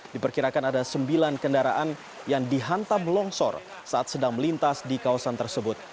diperkirakan ada sembilan kendaraan yang dihantam longsor saat sedang melintas di kawasan tersebut